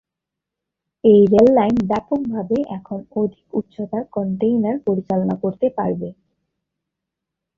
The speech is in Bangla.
এই রেল লাইন ব্যাপকভাবে এখন অধিক উচ্চতার কনটেইনার পরিচালনা করতে পারবে।